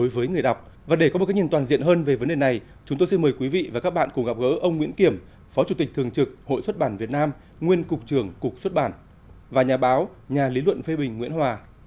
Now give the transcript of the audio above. với người đọc và để có một cái nhìn toàn diện hơn về vấn đề này chúng tôi xin mời quý vị và các bạn cùng gặp gỡ ông nguyễn kiểm phó chủ tịch thường trực hội xuất bản việt nam nguyên cục trưởng cục xuất bản và nhà báo nhà lý luận phê bình nguyễn hòa